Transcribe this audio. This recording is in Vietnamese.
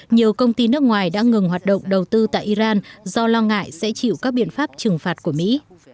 nhiều công ty nước ngoài đã ngừng hoạt động đầu tư tại iran do lo ngại sẽ chịu các biện pháp trừng phạt của mỹ